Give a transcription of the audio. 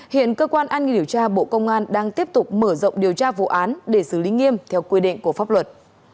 hiện cơ quan an nghi điều tra bộ công an đang tiếp tục mở rộng điều tra vụ án để xử lý nghiêm theo quy định của pháp luật